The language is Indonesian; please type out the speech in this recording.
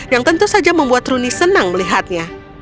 yang tentu saja membuat runi senang melihatnya